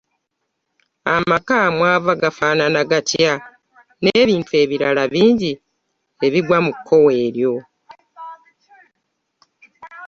Amaka mwava gafaanana gatya, n'ebintu ebirala biingi ebigwa mu kkowe eryo.